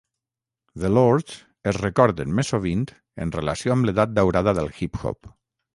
The Lords es recorden més sovint en relació amb l'edat daurada del hip hop.